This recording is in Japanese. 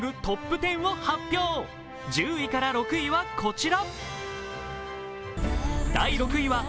１０位から６位はこちら。